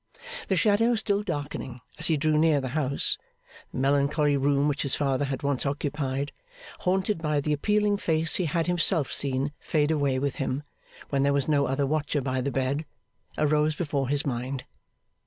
The shadow still darkening as he drew near the house, the melancholy room which his father had once occupied, haunted by the appealing face he had himself seen fade away with him when there was no other watcher by the bed, arose before his mind.